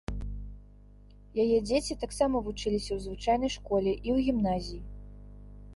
Яе дзеці таксама вучыліся ў звычайнай школе і ў гімназіі.